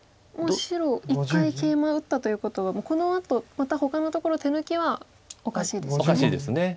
もう白１回ケイマ打ったということはこのあとまたほかのところ手抜きはおかしいですよね。